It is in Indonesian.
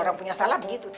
orang punya salah begitu tuh